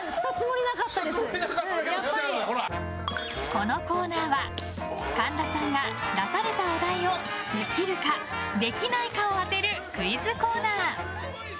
このコーナーは神田さんが出されたお題をできるかできないかを当てるクイズコーナー。